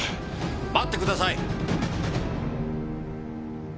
待ってください！